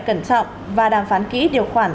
cẩn trọng và đàm phán kỹ điều khoản